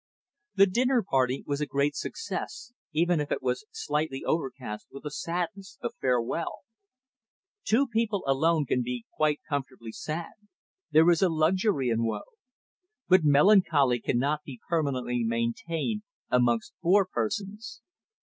The dinner party was a great success, even if it was slightly overcast with the sadness of farewell. Two people alone can be quite comfortably sad; there is a luxury in woe. But melancholy cannot be permanently maintained amongst four persons.